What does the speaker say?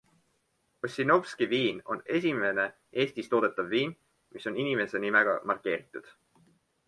Ossinovsky viin on esimene Eestis toodetav viin, mis on inimese nimega markeeritud.